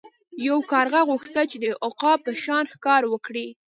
یو کارغه غوښتل چې د عقاب په شان ښکار وکړي.